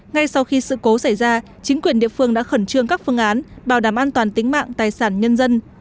ngay sau khi sự cố xảy ra chính quyền địa phương đã khẩn trương các phương án bảo đảm an toàn tính mạng tài sản nhân dân